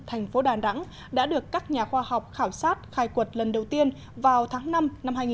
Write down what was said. thành phố đàn rẵng đã được các nhà khoa học khảo sát khai cuộc lần đầu tiên vào tháng năm năm hai nghìn một